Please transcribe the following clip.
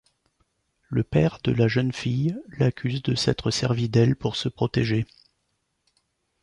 Le père de la jeune fille l’accuse de s’être servie d’elle pour se protéger.